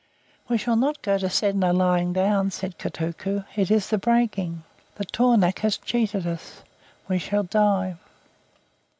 "We shall not go to Sedna lying down," said Kotuko. "It is the breaking. The tornaq has cheated us. We shall die."